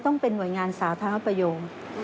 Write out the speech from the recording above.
ต้องเป็นหน่วยงานสาธารณประโยชน์